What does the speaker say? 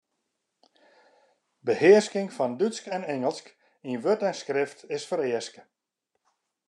Behearsking fan Dútsk en Ingelsk yn wurd en skrift is fereaske.